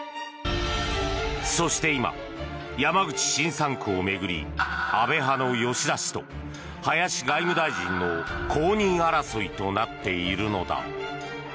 そして今、山口新３区を巡り安倍派の吉田氏と林外務大臣の後任争いとなっているのだ。